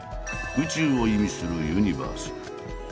「宇宙」を意味する「ユニバース」。